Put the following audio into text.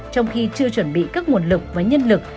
trong khi chưa chuẩn bị các nguồn lực và nhân lực